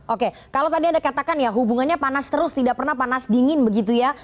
oke kalau tadi anda katakan ya hubungannya panas terus tidak pernah panas dingin begitu ya